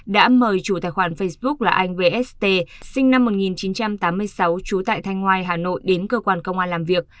đã mời chủ tài khoản facebook là anh vst sinh năm một nghìn chín trăm tám mươi sáu trú tại thanh ngoài hà nội đến cơ quan công an làm việc